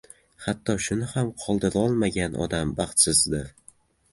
hatto shuni ham qoldirolmagan odam baxtsizdir.